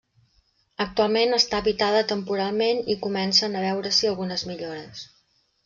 Actualment està habitada temporalment i comencen a veure-s'hi algunes millores.